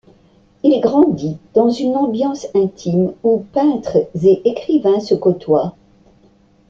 Il grandit dans une ambiance intime où peintres et écrivains se côtoient.